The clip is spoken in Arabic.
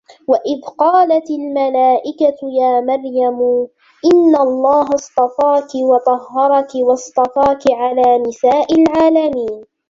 وَإِذْ قَالَتِ الْمَلَائِكَةُ يَا مَرْيَمُ إِنَّ اللَّهَ اصْطَفَاكِ وَطَهَّرَكِ وَاصْطَفَاكِ عَلَى نِسَاءِ الْعَالَمِينَ